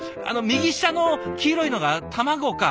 右下の黄色いのが卵か。